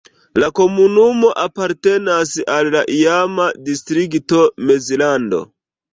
La komunumo apartenas al la iama distrikto Mezlando.